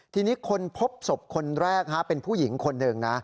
ทีนี้คนพบศพคนแรกเป็นผู้หญิงคนหนึ่งนะ